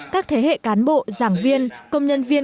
các thế hệ cán bộ giảng viên công nhân viên